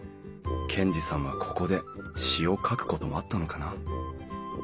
賢治さんはここで詩を書くこともあったのかな？